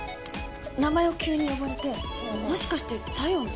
名前を急に呼ばれてもしかして西園寺？